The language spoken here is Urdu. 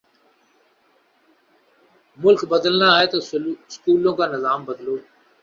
ملک بدلنا ہے تو سکولوں کا نظام بدلو۔